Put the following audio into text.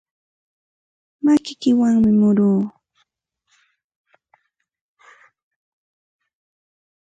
Makiwanmi muruu.